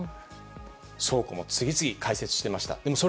倉庫も次々に開設していました。